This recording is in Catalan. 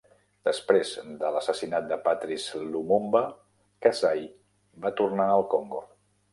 Després de l'assassinat de Patrice Lumumba, Kasai va tornar al Congo.